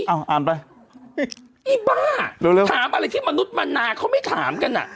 เอาอ่านไปอีบ้าถามอะไรที่มนุษย์มะนาเขาไม่ถามกันอ่ะ